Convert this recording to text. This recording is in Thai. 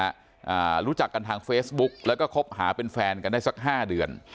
อ่ารู้จักกันทางเฟซบุ๊กแล้วก็คบหาเป็นแฟนกันได้สักห้าเดือน